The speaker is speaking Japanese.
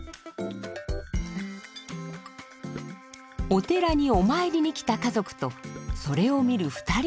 お寺にお参りに来た家族とそれを見る２人の男性。